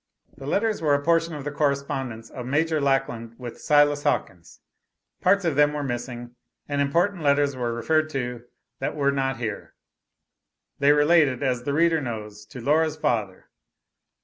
The letters were a portion of the correspondence of Major Lackland with Silas Hawkins; parts of them were missing and important letters were referred to that were not here. They related, as the reader knows, to Laura's father.